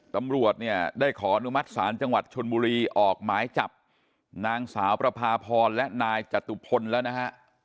ตำรวจเนี่ยได้ขออนุมัติศาลจังหวัดชนบุรีออกหมายจับนางสาวประพาพรและนายจตุพลแล้วนะฮะ